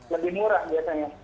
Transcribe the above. lebih murah biasanya